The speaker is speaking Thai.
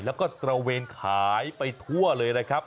แล้วก็ตระเวนขายไปทั่วเลยนะครับ